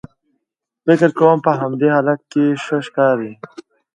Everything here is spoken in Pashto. فکر کوم په همدې حالت کې ښه ښکارې.